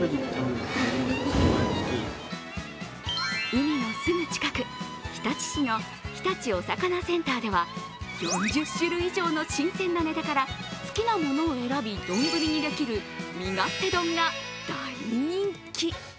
海のすぐ近く、日立市の日立おさかなセンターでは４０種類以上の新鮮なネタから、好きなものを選び丼にできる味勝手丼が大人気。